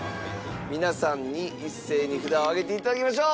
皆さんに一斉に札を上げていただきましょう。